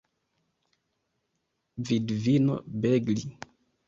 Vidvino Begli?